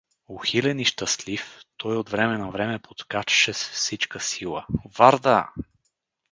Ухилен и щастлив, той от време на време подскачаше с всичка сила: — Варда!